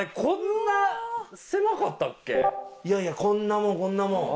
いやいやこんなもんこんなもん。